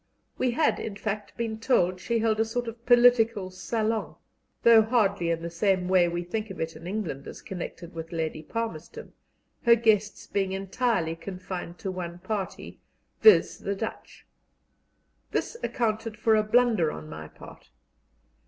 We had, in fact, been told she held a sort of political salon, though hardly in the same way we think of it in England as connected with Lady Palmerston, her guests being entirely confined to one party viz., the Dutch. This accounted for a blunder on my part.